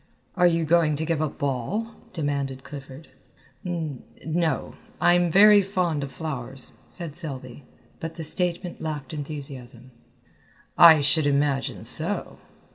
"Are you going to give a ball?" demanded Clifford. "N no, I'm very fond of flowers," said Selby, but the statement lacked enthusiasm. "I should imagine so."